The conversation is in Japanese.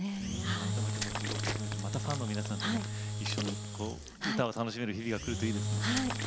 改めて動き始めてまたファンの皆さんと一緒に歌を楽しめる日々がくるといいですね。